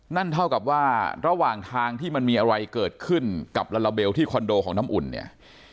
นั่นเท่ากับว่าระหว่างทางที่มันมีอะไรเกิดขึ้นกับลาลาเบลที่คอนโดของน้ำอุ่นเนี่ย